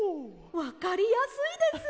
わかりやすいです！